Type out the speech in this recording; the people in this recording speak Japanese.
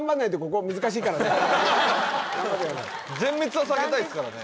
あの俺が全滅は避けたいですからね